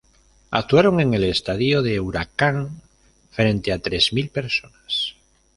Actuaron en el estadio de Huracán frente a tres mil personas.